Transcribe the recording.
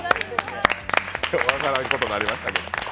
よう分からんことになりましたけど。